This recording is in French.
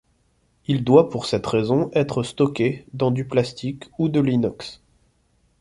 Il doit pour cette raison être stocké dans du plastique ou de l'inox.